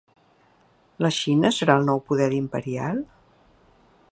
La Xina serà el nou poder imperial?